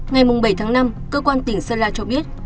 ngày bảy tháng năm cơ quan tỉnh sơn la cho biết